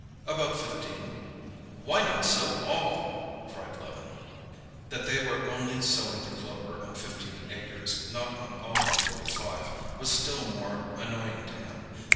"About fifteen." "Why not sow all?" cried Levin. That they were only sowing the clover on fifteen acres, not on all the forty five, was still more annoying to him.